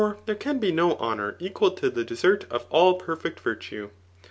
there can be no honour equal to <the desert of all* perfect virtue.